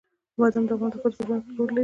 بادام د افغان ښځو په ژوند کې رول لري.